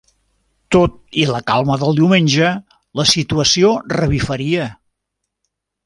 Tot i la calma del diumenge, la situació revifaria.